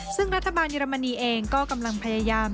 ซึ่งรัฐบาลเยอรมนีเองก็กำลังพยายาม